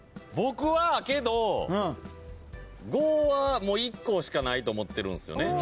僕はけど５はもう１個しかないと思ってる。